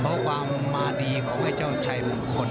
เพราะความมาดีของไอ้เจ้าชัยมงคล